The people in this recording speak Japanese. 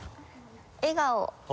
「笑顔」。